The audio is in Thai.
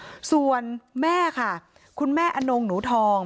พี่สาวบอกว่าไม่ได้ไปกดยกเลิกรับสิทธิ์นี้ทำไม